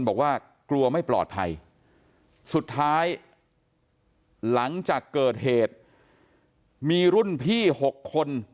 บอกว่ากลัวไม่ปลอดภัยสุดท้ายหลังจากเกิดเหตุมีรุ่นพี่๖คน